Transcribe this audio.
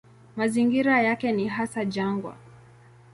Mazingira yake ni hasa jangwa.